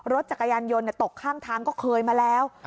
รถจักรยานยนต์ตกข้างทางก็เคยมาแล้ว